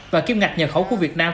và kiếm ngạc nhờ khẩu của việt nam